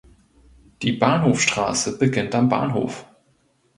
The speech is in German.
Die Bahnhofstrasse beginnt am Bahnhof.